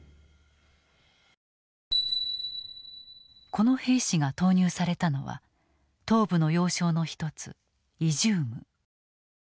この兵士が投入されたのは東部の要衝の一つイジューム。